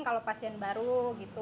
kalau pasien baru gitu